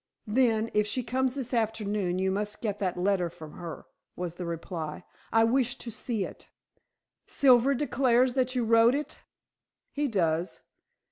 "Then, if she comes this afternoon, you must get that letter from her," was the reply. "I wish to see it." "Silver declares that you wrote it?" "He does.